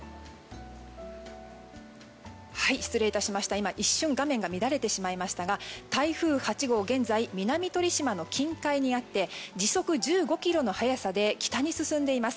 今、一瞬画面が乱れてしまいましたが台風８号は南鳥島の近海にあって時速１５キロの速さで北に進んでいます。